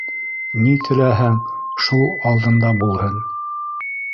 Ни теләһәң, шул алдында булһын.